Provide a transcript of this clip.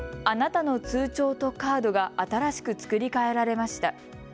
あなたの通帳とカードが新しく作り替えられました。